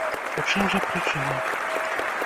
У чым жа прычына?